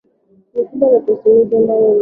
ni kubwa na tueshimike na tueshimiwe ndani